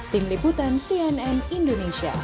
tim liputan cnn indonesia